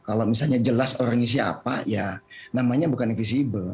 kalau misalnya jelas orangnya siapa ya namanya bukan invisible